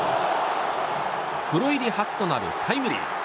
プロ入り初となるタイムリー。